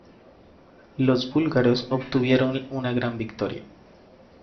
Los búlgaros obtuvieron una gran victoria.